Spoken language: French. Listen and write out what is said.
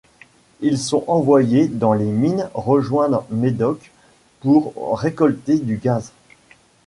Ils sont envoyés dans les mines rejoindre Medok pour récolter du gaz.